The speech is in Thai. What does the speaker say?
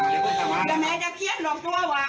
อร่อยเท่าระเมืองที่แหล่งศอดแพ้